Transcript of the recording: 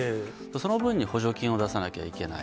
その分に補助金を出さなきゃいけない。